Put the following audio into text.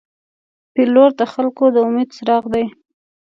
پیلوټ د خلګو د امید څراغ دی.